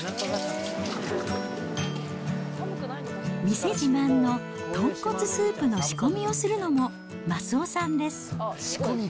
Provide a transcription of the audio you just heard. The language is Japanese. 店自慢の豚骨スープの仕込みをするのも益男さんです。